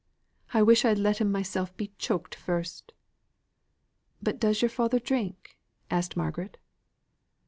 I wish I'd letten myself be choked first." "But does your father drink?" said Margaret.